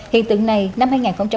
hiện tượng này năm hai nghìn một mươi bốn